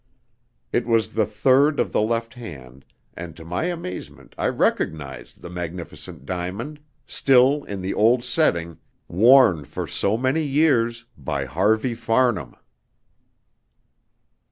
It was the third of the left hand, and to my amazement I recognised the magnificent diamond still in the old setting worn for so many years by Harvey Farnham.